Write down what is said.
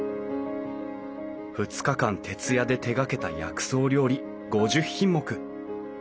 ２日間徹夜で手がけた薬草料理５０品目。